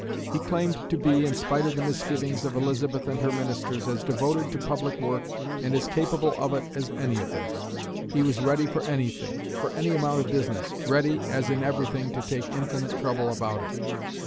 He claimed to be, in spite of the misgivings of Elizabeth and her ministers, as devoted to public work and as capable of it as any of them. He was ready for anything, for any amount of business, ready, as in everything, to take infinite trouble about it.